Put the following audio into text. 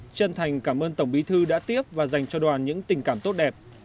chân thành cảm ơn tổng bí thư đã tiếp và dành cho đoàn những tình cảm tốt đẹp